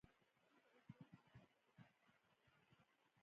زه د اوپن سورس وسایل خوښوم.